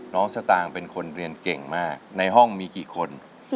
สตางค์เป็นคนเรียนเก่งมากในห้องมีกี่คน